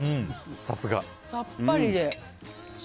さっぱりで。